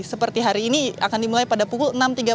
seperti hari ini akan dimulai pada pukul enam tiga puluh